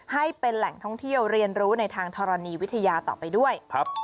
ให้เป็นแหล่งท่องเที่ยวเรียนรู้ในทางธรณีวิทยาต่อไปด้วย